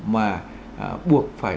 mà buộc phải